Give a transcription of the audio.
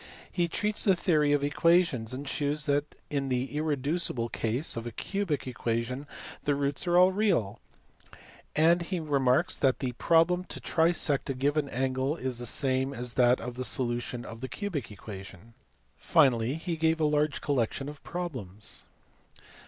He also treats the theory of equations, and shews that in the irreducible case of a cubic equation the roots are all real ; and he remarks that the problem to trisect a given angle is the same as that of the solution of a cubic equation. Finally he gave a large collection of problems.